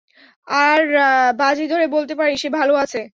আর, বাজী ধরে বলতে পারি সে ভালো আছে!